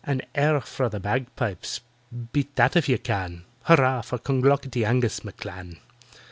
An air fra' the bagpipes—beat that if ye can! Hurrah for CLONGLOCKETTY ANGUS M'CLAN!"